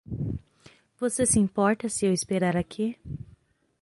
Você se importa se eu esperar aqui?